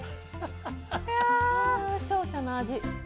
勝者の味。